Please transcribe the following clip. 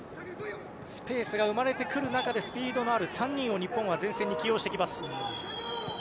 スペースが生まれてくる中でスピードのある３人を日本は前線に起用してきます。